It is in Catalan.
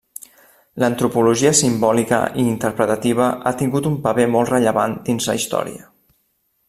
L'antropologia simbòlica i interpretativa ha tingut un paper molt rellevant dins la història.